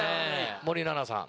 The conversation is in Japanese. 森七菜さん